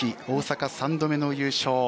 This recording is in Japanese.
大阪三度目の優勝。